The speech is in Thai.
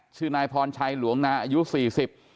ชื่อนายพรชัยหลวงนาอายุสี่สิบ